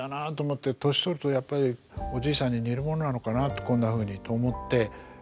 「年取るとやっぱりおじいさんに似るものなのかなこんなふうに」と思って。